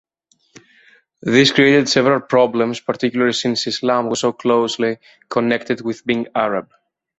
This created several problems, particularly since Islam was so closely connected with being Arab.